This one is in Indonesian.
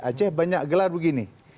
aceh banyak gelar begini